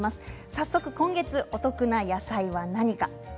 早速、今月お得な野菜は何か。